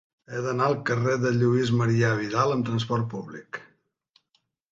He d'anar al carrer de Lluís Marià Vidal amb trasport públic.